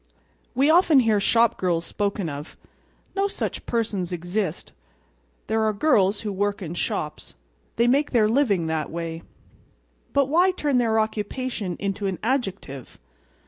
We often hear "shop girls" spoken of. No such persons exist. There are girls who work in shops. They make their living that way. But why turn their occupation into an adjective?